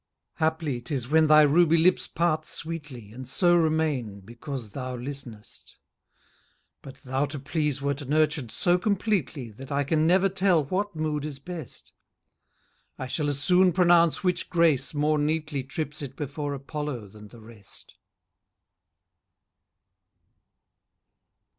Haply 'tis when thy ruby lips part sweetly, And so remain, because thou listenest: But thou to please wert nurtured so completely That I can never tell what mood is best. I shall as soon pronounce which grace more neatly Trips it before Apollo than the rest.